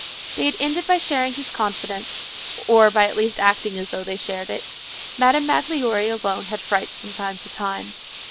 They had ended by sharing his confidence, or by at least acting as though they shared it. Madame Magloire alone had frights from time to time.